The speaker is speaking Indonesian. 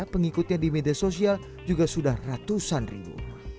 pengikutnya di media sosial juga sudah ratusan ribu